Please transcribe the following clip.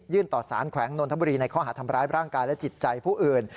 ต่อสารแขวงนนทบุรีในข้อหาทำร้ายร่างกายและจิตใจผู้อื่น